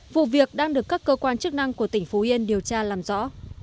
vụ việc đang được các cơ quan chức năng của tỉnh phú yên điều tra làm rõ